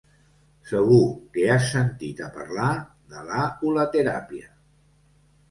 Segur que has sentit a parlar de la hulateràpia.